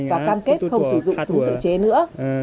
và cam kết không sử dụng súng tự chế nữa